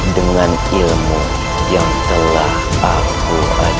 dengan ilmu yang telah aku baca